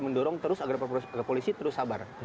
mendorong terus agar polisi terus sabar